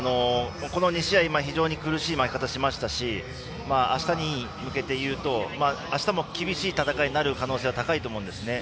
この２試合苦しい負け方をしましたしあしたに向けて言うとあしたも厳しい戦いになる可能性は高いと思うんですね。